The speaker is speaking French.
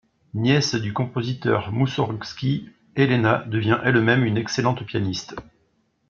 Nièce du compositeur Moussorgsky, Éléna devient elle-même une excellente pianiste.